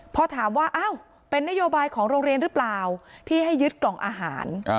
พอถามว่าอ้าวเป็นนโยบายของโรงเรียนหรือเปล่าที่ให้ยึดกล่องอาหาร